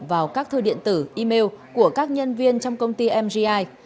vào các thư điện tử email của các nhân viên trong công ty mgi